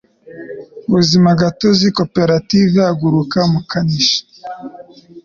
UBUZIMAGATOZI KOPERATIVE HAGURUKA MUKANISHI